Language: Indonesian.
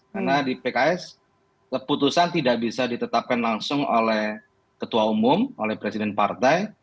karena di pks keputusan tidak bisa ditetapkan langsung oleh ketua umum oleh presiden partai